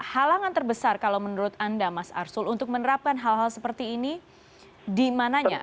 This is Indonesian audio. halangan terbesar kalau menurut anda mas arsul untuk menerapkan hal hal seperti ini di mananya